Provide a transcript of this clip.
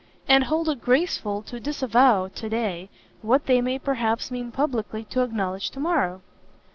and hold it graceful to disavow to day, what they may perhaps mean publicly to acknowledge to morrow?"